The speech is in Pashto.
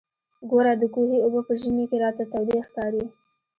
ګوره د کوهي اوبه په ژمي کښې راته تودې ښکارېږي.